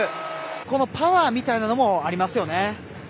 このパワーみたいなものもありますよね。